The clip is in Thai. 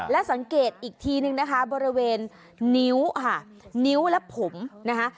และสังเกตอีกทีนึงนะคะบริเวณนิ้วค่ะนิ้วและผมนะคะ